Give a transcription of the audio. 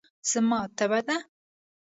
زما تبه ده.